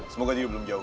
semoga dia belum jauh